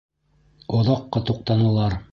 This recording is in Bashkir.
«Оҙаҡҡа туҡтанылар».